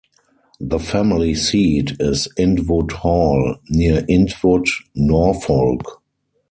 The family seat is Intwood Hall, near Intwood, Norfolk.